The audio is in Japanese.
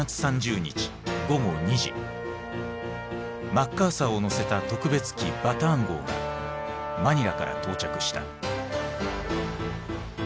マッカーサーを乗せた特別機バターン号がマニラから到着した。